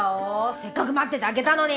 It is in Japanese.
せっかく待っててあげたのに！